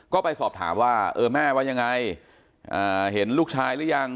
ก็ไปสอบถามว่าเออแม่ว่ายังไงเห็นลูกชายหรือยัง